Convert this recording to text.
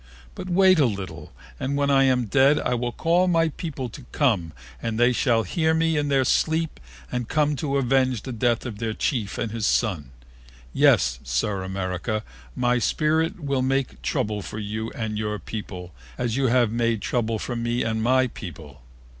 But wait a little and when I am dead I will call my people to come and they shall hear me in their sleep and come to avenge the death of their chief and his son. Yes, Sir America, my spirit will make trouble for you and your people, as you have made trouble to me and my people.